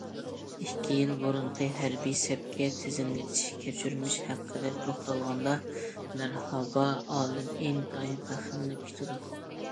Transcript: ئىككى يىل بۇرۇنقى ھەربىي سەپكە تىزىملىتىش كەچۈرمىشى ھەققىدە توختالغاندا، مەرھابا ئالىم ئىنتايىن پەخىرلىنىپ كېتىدۇ.